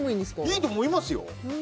いいと思いますよ。